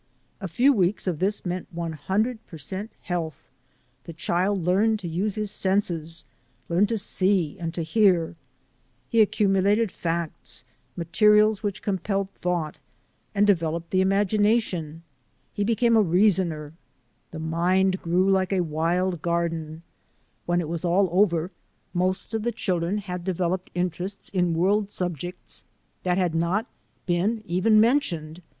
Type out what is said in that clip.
A few weeks of this meant one hundred per cent health. The child learned to use his senses, learned to see and to hear; he accumulated facts, materials which compelled thought and developed the imagination. He became a reasoner. The mind grew like a wild garden. When it was all over most of the children had developed interests in world subjects that had not been even men CHILDREN OF MY TRAIL SCHOOL 179 tioned.